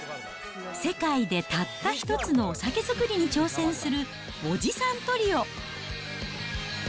世界でたった一つのお酒づくりに挑戦するおじさんトリオ！